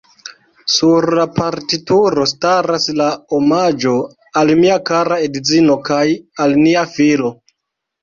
Sur la partituro staras la omaĝo: "Al mia kara edzino kaj al nia filo.